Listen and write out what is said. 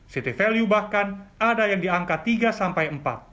ct value bahkan ada yang diangkat tiga sampai empat